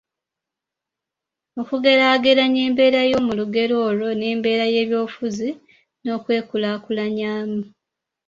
okugeraageranya embeera y’omu lugero olwo n’embeera y’ebyobufuzi n’okwekulaakulanya mu